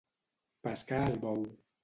Pescar al bou.